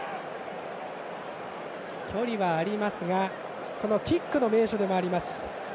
距離はありますがキックの名手でもあります